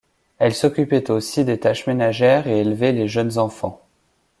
Elles s’occupaient aussi des tâches ménagères et élevaient les jeunes enfants.